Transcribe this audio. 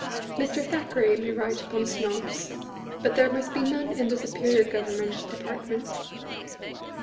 Mb. Thackbeat may write upon Snobs, but there must be none in the superior government departments.